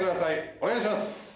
お願いします。